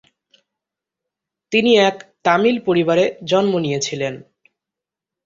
তিনি এক তামিল পরিবারে জন্ম নিয়েছিলেন।